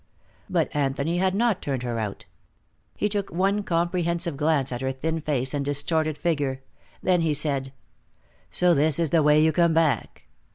But Anthony had not turned her out. He took one comprehensive glance at her thin face and distorted figure. Then he said: "So this is the way you come back."